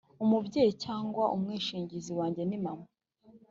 Umubyeyi cyangwa umwishingizi wanjye ni mama